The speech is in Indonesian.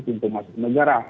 pintu masuk negara